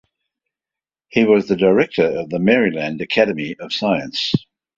He was the director of the Maryland Academy of Science.